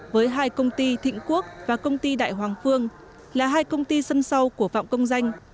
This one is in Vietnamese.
với hai công ty thịnh quốc và công ty đại hoàng phương là hai công ty sân sau của phạm công danh